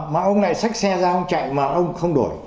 mà ông này xách xe ra không chạy mà ông không đổi